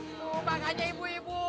tuh bangganya ibu ibu